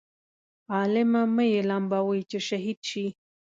عالمه مه یې لمبوئ چې شهید شي.